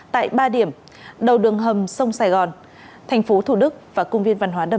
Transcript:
tại ba điểm đầu đường hầm sông sài gòn thành phố thủ đức và cung viên văn hóa đầm xen